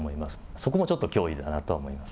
そこもちょっと脅威だなと思います。